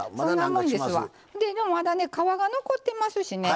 まだね、皮が残ってますしね